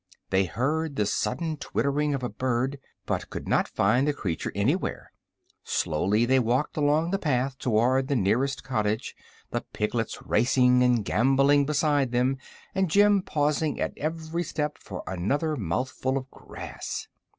They heard the sudden twittering of a bird, but could not find the creature anywhere. Slowly they walked along the path toward the nearest cottage, the piglets racing and gambolling beside them and Jim pausing at every step for another mouthful of grass.